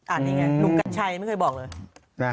อันนี้ไงหนุ่มกัญชัยไม่เคยบอกเลย